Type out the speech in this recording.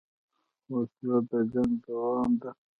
وسله د جنګ دوام ده